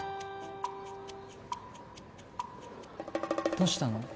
どうしたの？